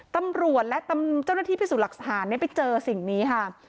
ตำรวจและเจ้าหน้าที่พิสูจน์หลักฐานไปเจอสิ่งนี้ค่ะ